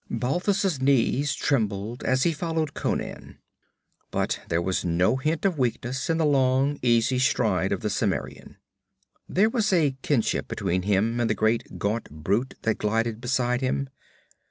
Balthus' knees trembled as he followed Conan. But there was no hint of weakness in the long easy stride of the Cimmerian. There was a kinship between him and the great gaunt brute that glided beside him.